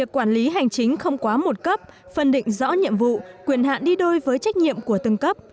quản lý hành chính không quá một cấp phân định rõ nhiệm vụ quyền hạn đi đôi với trách nhiệm của từng cấp